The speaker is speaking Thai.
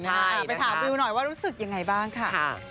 มาดูหน่อยว่ารู้สึกยังไงบ้างค่ะ